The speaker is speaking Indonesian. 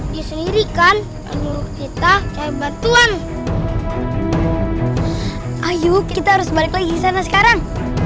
diserikan menurut kita cawe batuan ayo kita harus balik lagi sana sekarang